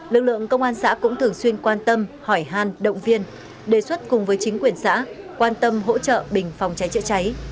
lực lượng công an xã cũng thường xuyên quan tâm hỏi hàn động viên đề xuất cùng với chính quyền xã quan tâm hỗ trợ bình phòng cháy chữa cháy